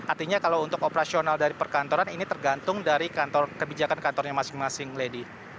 artinya kalau untuk operasional dari perkantoran ini tergantung dari kebijakan kantornya masing masing lady